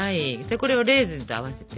これをレーズンと合わせて。